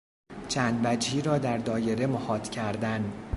چند وجهی را در دایره محاط کردن